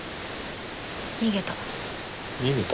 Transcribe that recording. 逃げた。